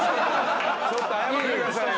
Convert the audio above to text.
ちょっと謝ってくださいよ